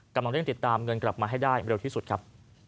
กำลังเร่งติดตามเงินกลับมาให้ได้เร็วที่สุดครับ